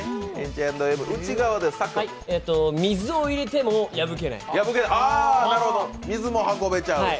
水を入れても破けない？